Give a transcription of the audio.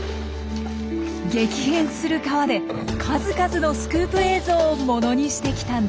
激変する川で数々のスクープ映像をものにしてきたんです。